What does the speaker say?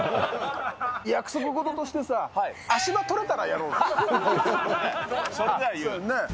約束事としてさ、足場取れたらやろうぜ。ね。